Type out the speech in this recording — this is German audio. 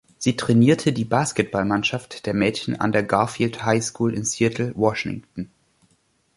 Sie trainierte die Basketballmannschaft der Mädchen an der Garfield High School in Seattle, Washington.